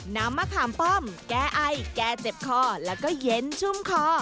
น้ำมะขามป้อมแก้ไอแก้เจ็บคอแล้วก็เย็นชุ่มคอ